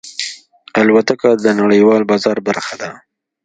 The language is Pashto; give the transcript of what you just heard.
الوتکه د نړیوال بازار برخه ده.